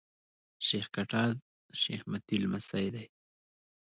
شېخ کټه شېخ متي لمسی دﺉ.